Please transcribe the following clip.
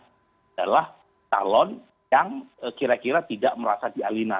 adalah calon yang kira kira tidak merasa dialina